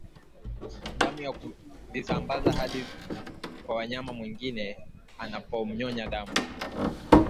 damu na kuvisambaza hadi kwa mnyama mwingine anapomnyonya damu